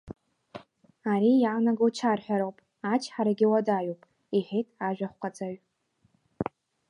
Ари иаанаго чарҳәароуп, ачҳарагьы уадаҩуп, — иҳәеит ажәахәҟаҵаҩ.